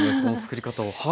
この作り方を。